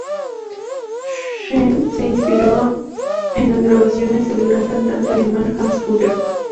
Shen se inspiró en las grabaciones del gran cantante alemán Hans Hotter.